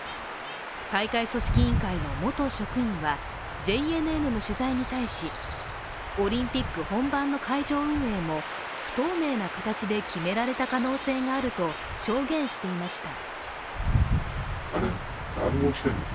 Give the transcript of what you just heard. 大会組織委員会の元職員はＪＮＮの取材に対しオリンピック本番の会場運営も不透明な形で決められた可能性があると証言していました。